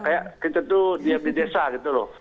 kayak kita tuh diam di desa gitu loh